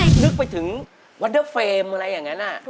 นึกไปถึงวันเดอร์เฟรมอะไรอย่างนั้น